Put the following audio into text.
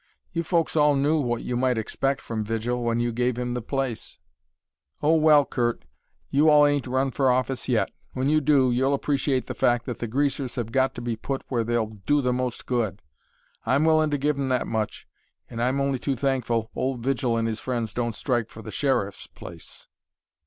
You folks all knew what you might expect from Vigil when you gave him the place." "Oh, well, Curt, you all ain't run for office yet. When you do, you'll appreciate the fact that the greasers have got to be put where they'll do the most good. I'm willin' to give 'em that much, and I'm only too thankful old Vigil and his friends don't strike for the Sheriff's place."